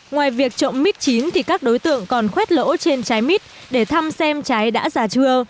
ngoài việc trộm mít chín thì các đối tượng còn khuét lỗ trên trái mít để thăm xem trái đã già chưa